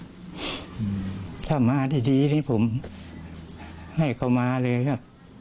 อืมถ้ามาดีนี่ผมให้เขามาเลยอ่ะ